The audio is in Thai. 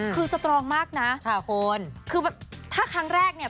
คือสตรองมากนะค่ะคุณคือแบบถ้าครั้งแรกเนี่ย